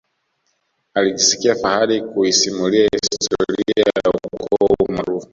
alijisikia fahari kuisimulia historia ya ukoo huo maarufu